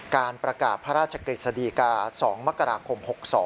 การประกาศพระราชกฤษฎีกา๒มกราคม๖๒